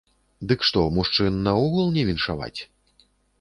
Дык што, мужчын наогул не віншаваць?